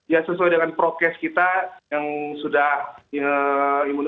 ya sesuai dengan prokes kita yang sudah vaksin dan booster tiga hari